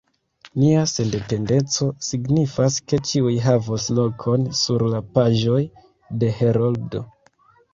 Nia sendependeco signifas, ke ĉiuj havos lokon sur la paĝoj de Heroldo.